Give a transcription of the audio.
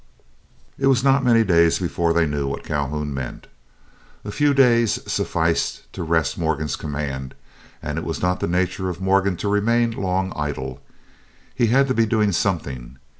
It was not many days before they knew what Calhoun meant. A few days sufficed to rest Morgan's command, and it was not the nature of Morgan to remain long idle. He had to be doing something.